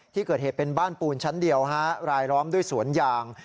ที่เกิดเหตุเป็นบ้านปูนชั้นเดียวรายล้อมด้วยสวนยาง